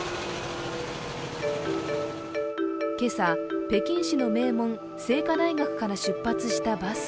今朝、北京市の名門・清華大学から出発したバス。